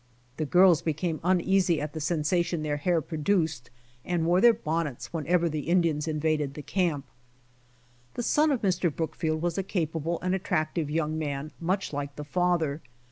The girls became uneasy at the sensa tion their hair produced and wore their bonnets whenever the Indians invaded the camp. The son of Mr. Brookfield was a capable and attractive young man much like the father.